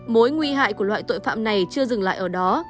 mối nguy hại của loại tội phạm này chưa dừng lại ở đó